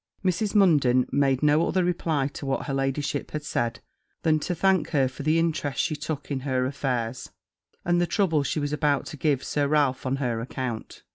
Mrs. Munden made no other reply to what her ladyship had said, than to thank her for the interest she took in her affairs, and the trouble she was about to give Sir Ralph on her account.